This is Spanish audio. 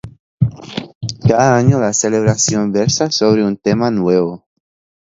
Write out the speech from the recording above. Cada año la celebración versa sobre un tema nuevo.